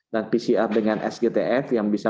dan pcr dengan sgtf yang bisa